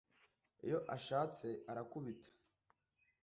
iyo ashatse arakubita